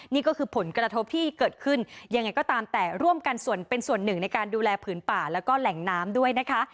นี่ก็คือผลกระทบที่เกิดขึ้นยังไงก็ตามแต่ร่วมกันส่วนเป็นส่วนหนึ่งในการดูแลผืนป่าแล้วก็แหล่งน้ำด้วยนะคะ